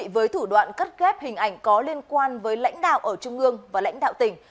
với thủ đoạn cắt ghép hình ảnh có liên quan với lãnh đạo ở trung ương và lãnh đạo tỉnh